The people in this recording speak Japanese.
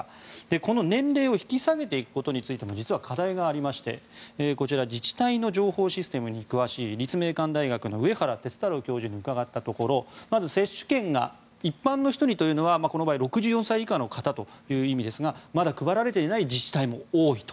この年齢を引き下げていくことについても実は課題がありましてこちら自治体の情報システムに詳しい立命館大学の上原哲太郎教授に伺ったところまず、接種券が一般の人にというのはこの場合６４歳以下の方ということですがまだ配られていない自治体も多いと。